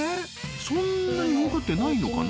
そんなに儲かってないのかな